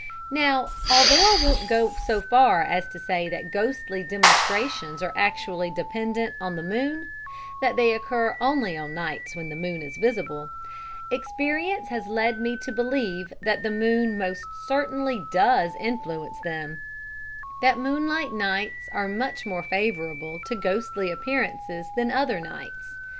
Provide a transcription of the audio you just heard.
"Now, although I won't go so far as to say that ghostly demonstrations are actually dependent on the moon that they occur only on nights when the moon is visible experience has led me to believe that the moon most certainly does influence them that moonlight nights are much more favourable to ghostly appearances than other nights.